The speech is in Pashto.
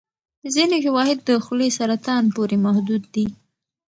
ځینې شواهد د خولې سرطان پورې محدود دي.